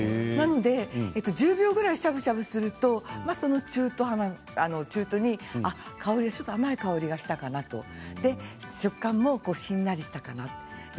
なので１０秒ぐらいしゃぶしゃぶするとその中途に香りがちょっと甘い香りがしたかなと食感もしんなりしたかなと。